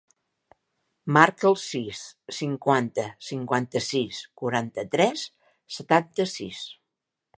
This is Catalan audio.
Marca el sis, cinquanta, cinquanta-sis, quaranta-tres, setanta-sis.